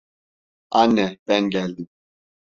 Anne, ben geldim.